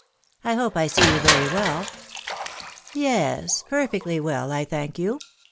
I hope I see you very well ?"" Yeas — perfectly well, I thank you.